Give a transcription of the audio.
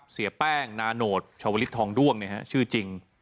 เสียแป้งนาโนดชาวลิสทองด้วงเนี่ยฮะชื่อจริง